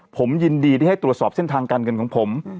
ผมยินดีที่ให้ตรวจสอบเส้นทางการเงินของผม